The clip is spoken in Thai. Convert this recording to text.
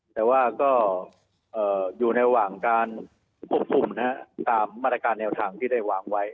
แต่ว่าก็อยู่ระหว่างการควบคุมตามมาตรการแนวทางที่ได้วางไว้